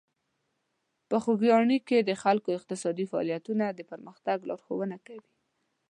په خوږیاڼي کې د خلکو اقتصادي فعالیتونه د پرمختګ لارښوونه کوي.